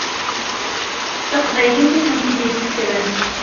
D taqbaylit i kent-id-yessekren.